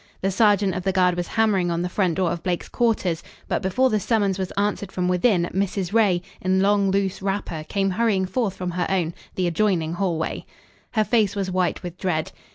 The sergeant of the guard was hammering on the front door of Blake's quarters; but, before the summons was answered from within, Mrs. Ray, in long, loose wrapper, came hurrying forth from her own the adjoining hallway. Her face was white with dread.